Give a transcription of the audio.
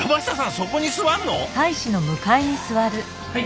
そこに座るの！？